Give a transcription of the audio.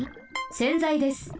せんざいです。